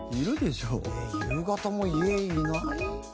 えっ夕方も家いない？